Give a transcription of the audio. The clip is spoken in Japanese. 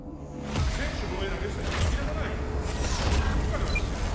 専守防衛投げ捨てた、まぎれもない軍事国家ではありませんか。